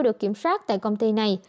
được kiểm soát tại công ty này